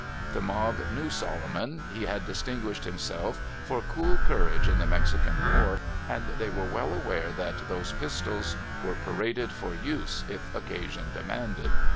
The mob knew Solomon. He had distinguished himself for cool courage in the Mexican war, and they were well aware that those pistols were pa raded for use if occasion demanded.